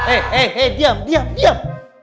eh eh diam diam diam